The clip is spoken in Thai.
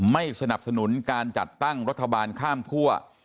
ไม่สนับสนุนการจัดตั้งรัฐบาลข้ามคั่ว